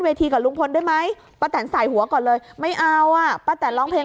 กับลุงพลด้วยไหมป้าแตนใส่หัวก่อนเลยไม่เอาอ่ะป้าแตนร้องเพลง